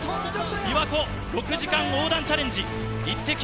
びわ湖６時間横断チャレンジ、イッテＱ！